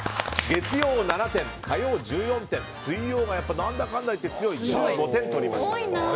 月曜７点、火曜１４点水曜が何だかんだ言って強い、１５点取りました。